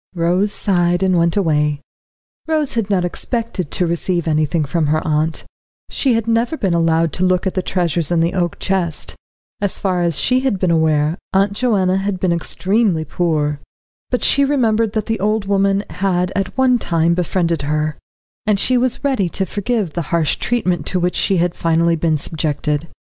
Rose sighed, and went away. Rose had not expected to receive anything from her aunt. She had never been allowed to look at the treasures in the oak chest. As far as she had been aware, Aunt Joanna had been extremely poor. But she remembered that the old woman had at one time befriended her, and she was ready to forgive the harsh treatment to which she had finally been subjected.